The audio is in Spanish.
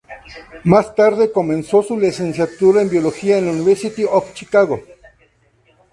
Más tarde, comenzó su licenciatura en biología en la University of Chicago.